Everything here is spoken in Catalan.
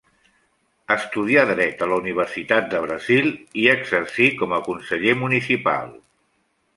Estudià Dret en la Universitat del Brasil i exercí com a conseller municipal.